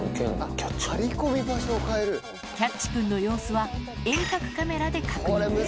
キャッチくんの様子は、遠隔カメラで確認。